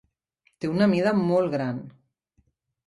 Té una mida molt gran.